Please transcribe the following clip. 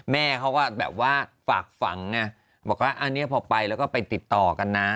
แม่เขาก็แบบว่าฝากฝังไงบอกว่าอันนี้พอไปแล้วก็ไปติดต่อกันนะ